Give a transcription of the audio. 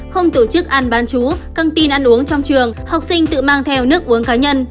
không tổ chức ăn bán chú căng tin ăn uống trong trường học sinh tự mang theo nước uống cá nhân